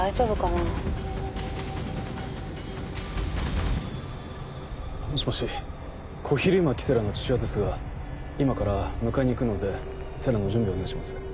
もしもし小比類巻星来の父親ですが今から迎えに行くので星来の準備をお願いします。